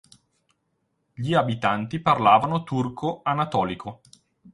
Gli abitanti parlavano turco anatolico.